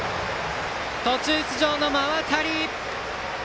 途中出場の馬渡。